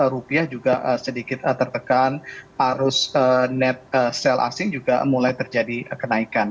rupiah juga sedikit tertekan arus net sale asing juga mulai terjadi kenaikan